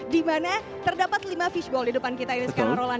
dimana terdapat lima fishbowl di depan kita ini sekarang roland